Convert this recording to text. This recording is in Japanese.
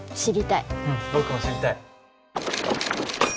うん僕も知りたい。